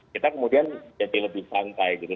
kita kemudian jadi lebih santai gitu